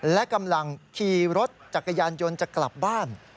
และกำลังขี่รถจักรยานยนต์จะกลับบ้าน